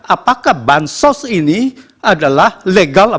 apakah bansos ini adalah kepentingan pemilu